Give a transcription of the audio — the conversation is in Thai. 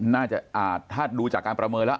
น่าจะถ้าดูจากการประเมินแล้ว